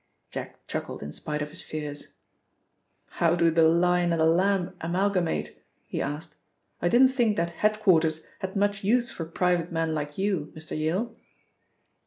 Jack chuckled in spite of his fears. "How do the lion and the lamb amalgamate?" he asked. "I didn't think that head quarters had much use for private men like you, Mr. Yale?"